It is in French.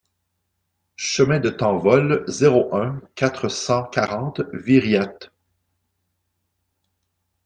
Chemin de Tanvol, zéro un, quatre cent quarante Viriat